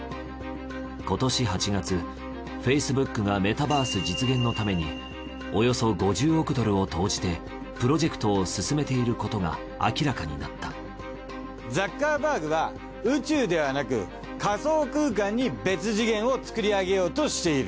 今年８月ｆａｃｅｂｏｏｋがメタバース実現のためにおよそ５０億ドルを投じてプロジェクトを進めていることが明らかになったザッカーバーグは宇宙ではなく仮想空間に別次元を作り上げようとしている。